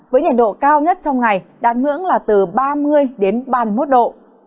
với nhiệt độ cao nhất trong ngày đạt ngưỡng là từ ba mươi đến ba mươi một độ